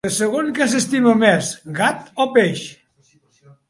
De segon què s'estima més, gat o peix?